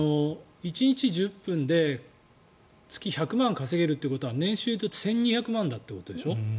１日１０分で月１００万円稼げるということは年収１２００万円ということでしょ。